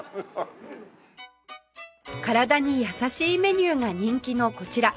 体に優しいメニューが人気のこちら